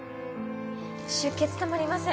出血止まりません